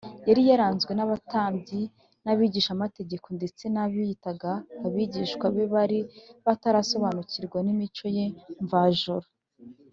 . Yari yaranzwe n’abatambyi n’abigishamategeko, ndetse n’abiyitaga abigishwa be bari batarasobanukirwa n’imico ye mvajuru